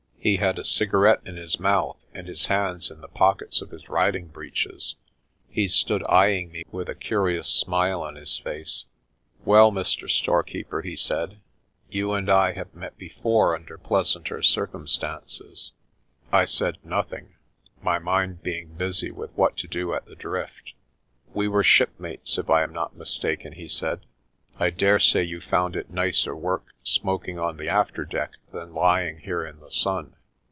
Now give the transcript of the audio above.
He had a cigarette in his mouth, and his hands in the pockets of his riding breeches. He stood eyeing me with a curious smile on his face. 154 PRESTER JOHN "Well, Mr. Storekeeper," he said, "you and I have met before under pleasanter circumstances." I said nothing, my mind being busy with what to do at the Drift. "We were shipmates, if I am not mistaken," he said. "I dare say you found it nicer work smoking on the afterdeck than lying here in the sun."